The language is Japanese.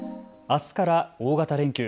あすから大型連休。